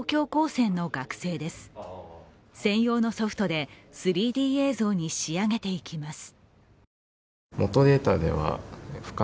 専用のソフトで３Ｄ映像に仕上げていきます。